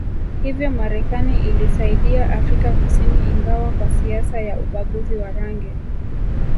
Hivyo Marekani ilisaidia Afrika Kusini ingawa kwa siasa ya ubaguzi wa rangi